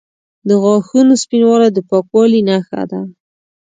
د غاښونو سپینوالی د پاکوالي نښه ده.